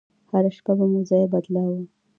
هره شپه به مو ځاى بدلاوه.